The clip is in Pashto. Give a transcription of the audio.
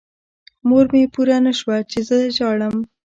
مور مې پوه نه شوه چې زه ژاړم.